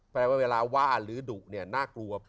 แปลว่าเวลาว่าหรือดุเนี่ยน่ากลัว